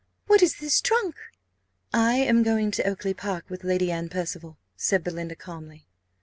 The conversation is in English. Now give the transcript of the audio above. What is this trunk?" "I am going to Oakly park with Lady Anne Percival," said Belinda, calmly.